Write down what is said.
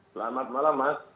selamat malam mas